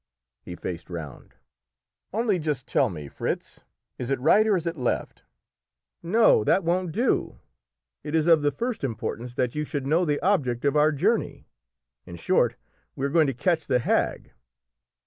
He faced round. "Only just tell me, Fritz, is it right or is it left?" "No; that won't do. It is of the first importance that you should know the object of our journey. In short, we are going to catch the hag."